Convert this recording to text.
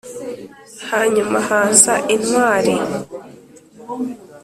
hanyuma haza intwari